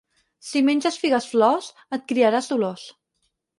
Si menges figues-flors, et criaràs dolors.